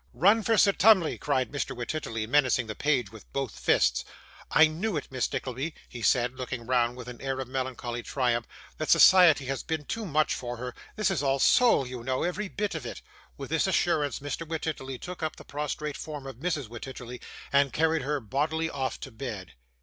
'Run for Sir Tumley,' cried Mr. Wititterly, menacing the page with both fists. 'I knew it, Miss Nickleby,' he said, looking round with an air of melancholy triumph, 'that society has been too much for her. This is all soul, you know, every bit of it.' With this assurance Mr. Wititterly took up the prostrate form of Mrs. Wititterly, and carried her bodily off to bed.